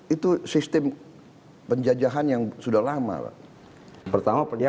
itu sistem penjajahan yang sudah lama pak